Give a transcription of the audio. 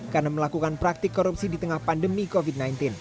karena melakukan praktik korupsi di tengah pandemi covid sembilan belas